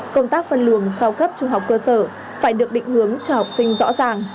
công tác phân luồng sau cấp trung học cơ sở phải được định hướng cho học sinh rõ ràng